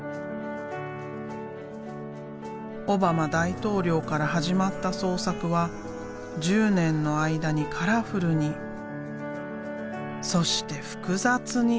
オバマ大統領から始まった創作は１０年の間にカラフルにそして複雑に。